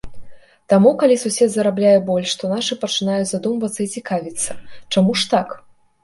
Таму, калі сусед зарабляе больш, то нашы пачынаюць задумвацца і цікавіцца, чаму ж так?